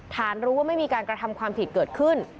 ฐานรู้ว่าไม่มีการกระทำความผิดเกิดขึ้น